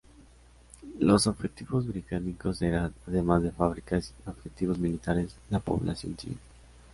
Los objetivos británicos eran, además de fábricas y objetivos militares, la población civil.